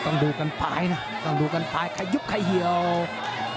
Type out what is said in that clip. ต้องดูกันไปนะต้องดูกันไปขยุบใครเหี่ยว